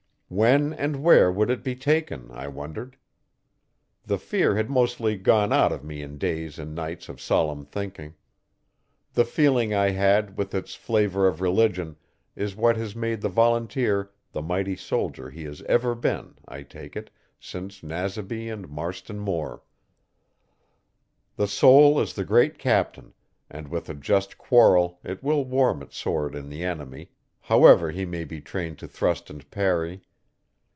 When and where would it be taken? I wondered. The fear had mostly gone out of me in days and nights of solemn thinking. The feeling I had, with its flavour of religion, is what has made the volunteer the mighty soldier he has ever been, I take it, since Naseby and Marston Moor. The soul is the great Captain, and with a just quarrel it will warm its sword in the enemy, however he may be trained to thrust and parry.